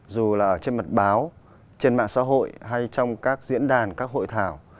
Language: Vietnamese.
dù là ở trên mặt báo trên mạng xã hội hay trong các diễn đàn các hội thảo